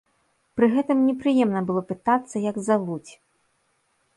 Пры гэтым непрыемна было пытацца як завуць.